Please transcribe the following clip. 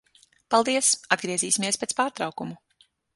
Paldies. Atgriezīsimies pēc pārtraukuma.